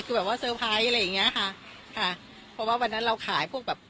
คือแบบว่าเซอร์ไพรส์อะไรอย่างเงี้ยค่ะค่ะเพราะว่าวันนั้นเราขายพวกแบบ